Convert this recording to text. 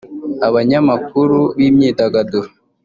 Abanyamakuru b’imyidagaduro